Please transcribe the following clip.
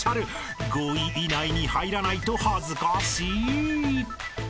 ［５位以内に入らないと恥ずかしい！］